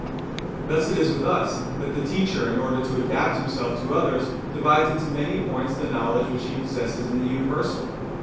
Thus it is with us that the teacher, in order to adapt himself to others, divides into many points the knowledge which he possesses in the universal.